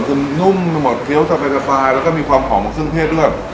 คือมันนุ่มมันหมดเข้าจากไปจากฟ้ายแล้วก็มีความหอมมันซึ่งเท่ดด้วย